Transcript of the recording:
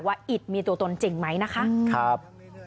ว่าอิฐมีตัวตนจริงไหมนะคะครับ